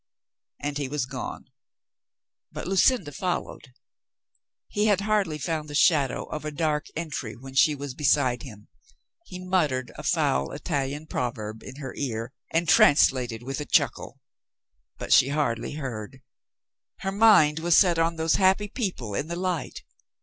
And he was gone, but Lucinda followed. He had hardly found the shadow of a dark entry when she was beside him. He muttered a foul Ital ian proverb in her ear and translated with a chuckle. But she hardly heard. Her mind was set on those happy people in the light.